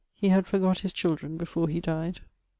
He had forgot his children before he died.